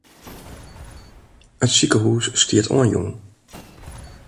It sikehûs stiet oanjûn.